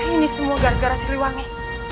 ini semua gara gara siliwangi